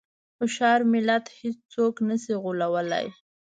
هوښیار ملت هېڅوک نه شي غولوی.